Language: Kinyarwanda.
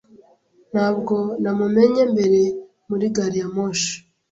Ntabwo namumenye mbere muri gari ya moshi.